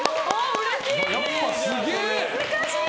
うれしい！